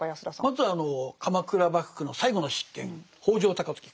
まずは鎌倉幕府の最後の執権北条高時。